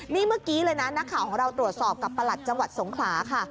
นี่เมื่อกี้เลยนะนักข่าวของเราตรวจสอบกับประหลัดจังหวัดสงขลาค่ะ